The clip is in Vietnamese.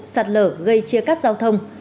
sạt lở gây chia cắt giao thông